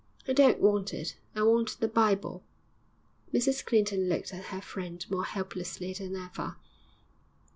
'I don't want it; I want the Bible.' Mrs Clinton looked at her friend more helplessly than ever.